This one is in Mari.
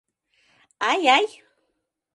— Ай, ай!